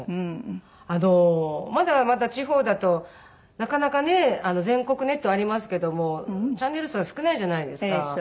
まだまだ地方だとなかなかね全国ネットありますけどもチャンネル数が少ないじゃないですか。